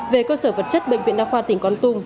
về cơ sở vật chất bệnh viện đao khoa tỉnh con tung